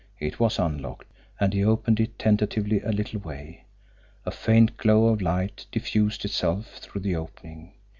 It was unlocked, and he opened it tentatively a little way. A faint glow of light diffused itself through the opening.